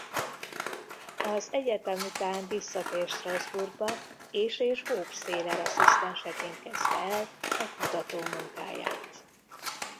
Az egyetem után visszatért Strassburgba és és Hoppe-Seyler asszisztenseként kezdte el a kutatómunkáját.